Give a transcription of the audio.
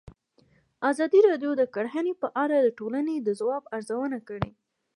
ازادي راډیو د کرهنه په اړه د ټولنې د ځواب ارزونه کړې.